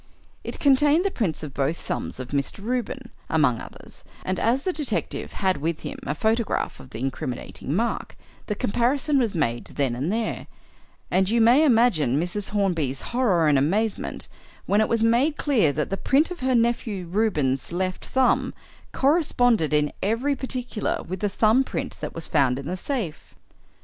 It contained the prints of both thumbs of Mr. Reuben (among others), and, as the detective had with him a photograph of the incriminating mark, the comparison was made then and there; and you may imagine Mrs. Hornby's horror and amazement when it was made clear that the print of her nephew Reuben's left thumb corresponded in every particular with the thumb print that was found in the safe.